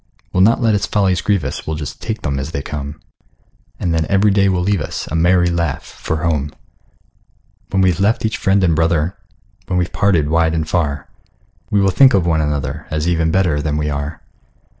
We'll not let its follies grieve us, We'll just take them as they come; And then every day will leave us A merry laugh for home. When we've left each friend and brother, When we're parted wide and far, We will think of one another, As even better than we are.